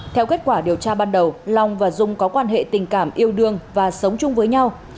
theo kết quả điều tra ban đầu long và dung có quan hệ tình cảm yêu đương và sống chung với nhau